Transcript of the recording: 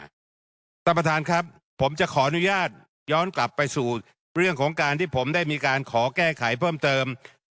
ท่านประธานครับผมจะขออนุญาตย้อนกลับไปสู่เรื่องของการที่ผมได้มีการขอแก้ไขเพิ่มเติม